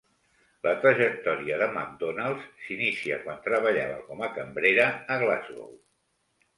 La trajectòria de Macdonald's s'inicia quan treballava com a cambrera a Glasgow.